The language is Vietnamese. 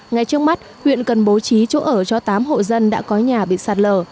ngay trước mắt huyện cần bố trí chỗ ở cho tám hộ dân đã có nhà bị sạt lở